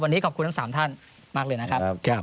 วันนี้ขอบคุณทั้ง๓ท่านมากเลยนะครับ